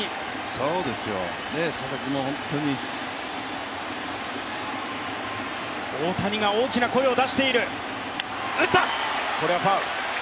そうですよ、佐々木も本当に大谷が大きな声を出している。